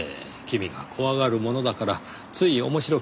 君が怖がるものだからつい面白くて。